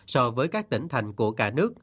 so với các tỉnh thành của cả nước